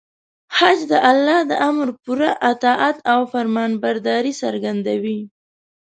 حج د الله د امر پوره اطاعت او فرمانبرداري څرګندوي.